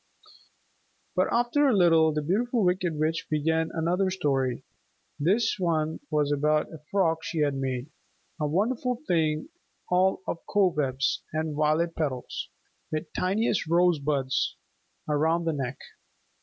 But after a little the Beautiful Wicked Witch began another story. This one was about a frock she had made, a wonderful thing all of cobwebs and violet petals, with tiniest rosebuds around the neck.